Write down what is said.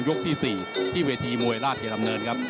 ที่๔ที่เวทีมวยราชดำเนินครับ